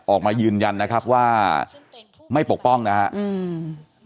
ออกมายืนยันนะครับว่าไม่ปกป้องนะครับอืม